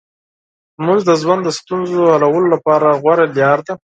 لمونځ د ژوند د ستونزو حلولو لپاره غوره لار ده.